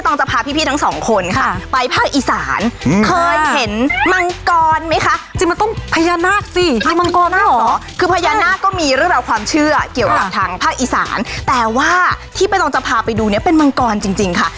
งานสวยไหมฮะ